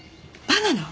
バナナ？